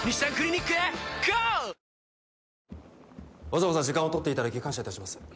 わざわざ時間を取っていただき感謝いたします。